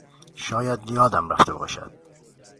شاید یادم رفته باشد.